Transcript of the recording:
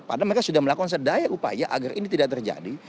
padahal mereka sudah melakukan sedaya upaya agar ini tidak terjadi